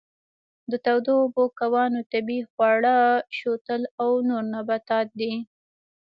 د تودو اوبو کبانو طبیعي خواړه شوتل او نور نباتات دي.